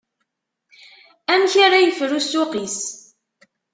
Amek ara yefru ssuq-is.